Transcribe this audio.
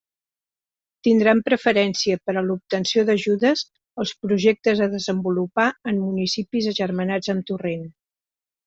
Tindran preferència per a l'obtenció d'ajudes, els projectes a desenvolupar en municipis agermanats amb Torrent.